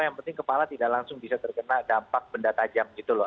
yang penting kepala tidak langsung bisa terkena dampak benda tajam gitu loh